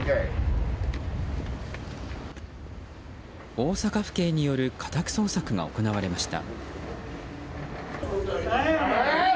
大阪府警による家宅捜索が行われました。